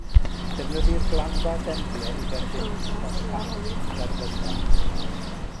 Defnyddir glanfa dendio i dderbyn cychod llai yn y derfynfa.